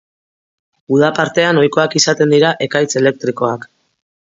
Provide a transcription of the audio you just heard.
Uda partean ohikoak izaten dira ekaitz elektrikoak.